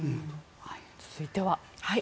続いては。